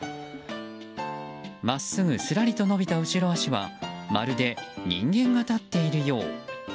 真っすぐすらりと伸びた後ろ足はまるで人間が立っているよう。